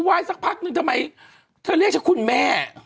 แล้วเป็นยาละบายอ่อนหรือเจ้า